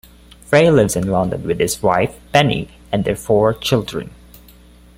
Frei lives in London with his wife, Penny, and their four children.